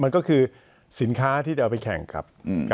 มันก็คือสินค้าที่จะเอาไปแข่งครับ